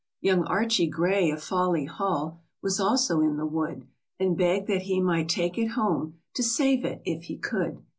Young Archie Gray, of Fawley Hall, Was also in the wood, And begged that he might take it home To save it, if he could.